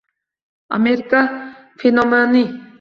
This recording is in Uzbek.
Amerika fenomeni